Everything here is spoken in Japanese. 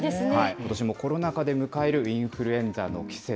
ことしもコロナ禍で迎えるインフルエンザの季節。